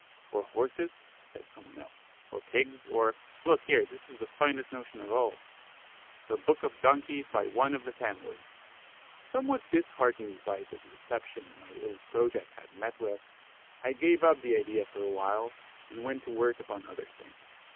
"Or Horses," said some one else; "or Pigs; or, look here, this is the finest notion of all: 'THE BOOK OF DONKIES, BY ONE OF THE FAMILY!'" Somewhat disheartened by the reception my little project had met with, I gave up the idea for awhile, and went to work upon other things.